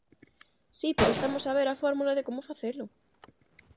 Si, pero estamos a ver a fórmula de como facelo.